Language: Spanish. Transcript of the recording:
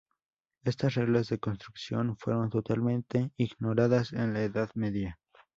Estas reglas de construcción fueron totalmente ignoradas en la Edad Media.